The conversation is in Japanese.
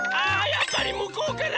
やっぱりむこうかな！